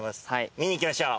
見に行きましょう。